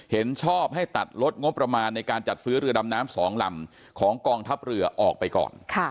เห็นชอบให้ตัดลดงบประมาณในการจัดซื้อเรือดำน้ำ๒ลำของกองทัพเรือออกไปก่อน